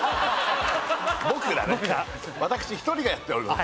私１人がやっております